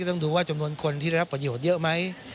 ต้องดูว่าจำนวนคนที่ได้รับประโยชน์เยอะไหม